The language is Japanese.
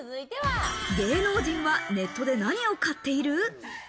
芸能人はネットで何を買っている？